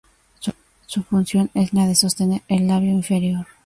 Su función es la de sostener el labio inferior.